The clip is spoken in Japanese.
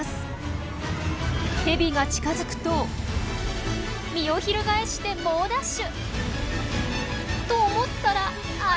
ヘビが近づくと身を翻して猛ダッシュ！と思ったらあれ？